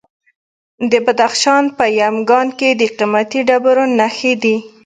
د بدخشان په یمګان کې د قیمتي ډبرو نښې دي.